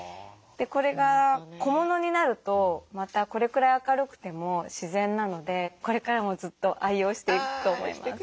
これが小物になるとまたこれくらい明るくても自然なのでこれからもずっと愛用していくと思います。